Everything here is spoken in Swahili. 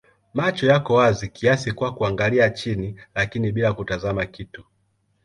Macho yako wazi kiasi kwa kuangalia chini lakini bila kutazama kitu.